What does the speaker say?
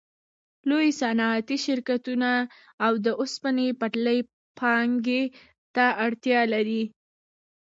لوی صنعتي شرکتونه او د اوسپنې پټلۍ پانګې ته اړتیا لري